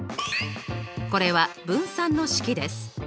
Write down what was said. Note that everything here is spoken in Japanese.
これは分散の式です。